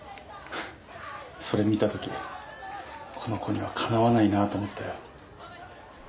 それ見たときこの子にはかなわないなと思ったよ。